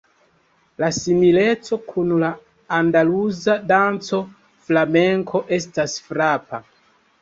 La simileco kun la andaluza danco Flamenko estas frapa.